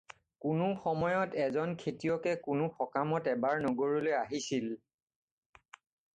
কোনো সময়ত এজন খেতিয়কে কোনো সকামত এবাৰ নগৰলৈ আহিছিল।